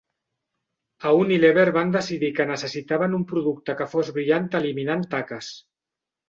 A Unilever van decidir que necessitaven un producte que fos brillant eliminant taques.